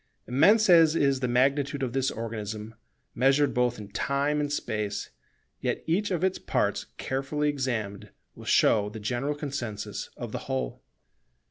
Immense as is the magnitude of this organism measured both in Time and Space, yet each of its parts carefully examined will show the general consensus of the whole.